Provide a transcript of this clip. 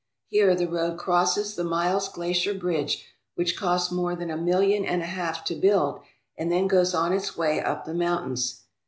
Here the road crosses the Miles Glacier bridge which cost more than a million and a half to build, and then goes on its way up the mountains.